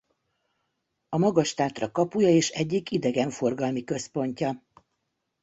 A Magas-Tátra kapuja és egyik idegenforgalmi központja.